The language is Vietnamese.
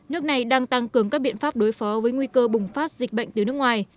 nước này đang tăng cường các biện pháp đối phó với nguy cơ bùng phát dịch bệnh từ nước ngoài